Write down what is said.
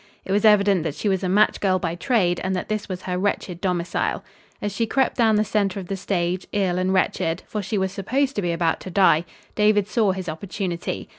It was evident that she was a match girl by trade, and that this was her wretched domicile. As she crept down the center of the stage, ill and wretched, for she was supposed to be about to die David saw his opportunity.